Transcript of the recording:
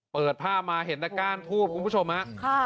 เปิดภาพมาเห็นกล้างกานถูปคุณผู้ชมฮะ